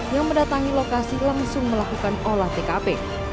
yang mendatangi lokasi langsung melakukan olah tkp